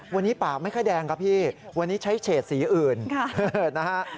วันนี้ปากไม่ค่อยแดงครับพี่วันนี้ใช้เฉดสีอื่นนะฮะ